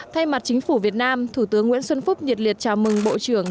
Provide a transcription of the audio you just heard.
thay mặt chính phủ việt nam thủ tướng nguyễn xuân phúc nhiệt liệt chào mừng bộ trưởng